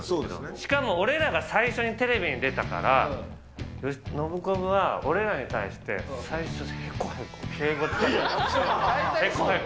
しかも俺らが最初にテレビに出たから、ノブコブは俺らに対して、最初、へこへこ敬語使ってた。